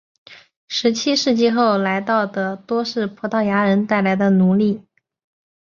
十七世纪后来到的多是葡萄牙人带来的奴隶。